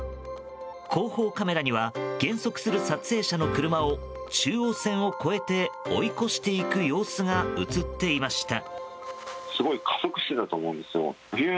後方カメラには減速する撮影者の車を中央線を越えて追い越していく様子が映っていました。